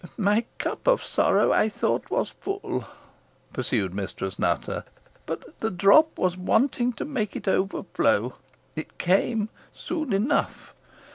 "My cup of sorrow, I thought, was full," pursued Mistress Nutter; "but the drop was wanting to make it overflow. It came soon enough.